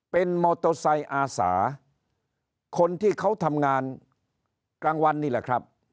เป็นมอเตอร์ไซค์อาสาคนที่เขาทำงานกลางวันนี่แหละครับ